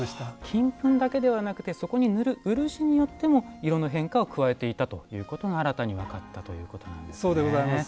金粉だけではなくてそこに塗る漆によっても色の変化を加えていたということが新たに分かったということなんですね。